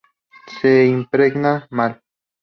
Se impregna mal.